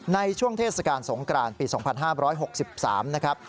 ในช่วงเทศกาลสงกรานปี๒๕๖๓นะครับ